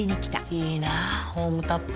いいなホームタップ。